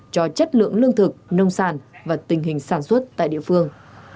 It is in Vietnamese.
cho chất lượng lương thực nông sản và tình hình sản xuất tại địa phương